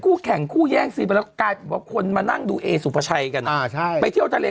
ผู้แข่งคู่แห้งสีเบอร์แล้วกันว่าคนมานั่งดูเอสุภาชัยกันอาชาไปเที่ยวทะเล